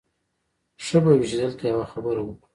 ښه به وي چې دلته یوه خبره وکړو